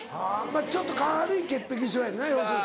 ちょっと軽い潔癖性やねんな要するに。